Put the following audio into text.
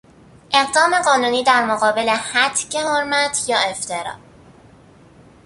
اقدام قانونی در مقابل هتک حرمت یا افترا